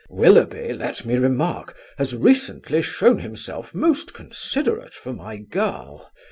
Willoughby, let me remark, has recently shown himself most considerate for my girl.